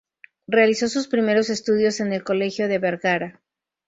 Realizó sus primeros estudios en el colegio de Vergara.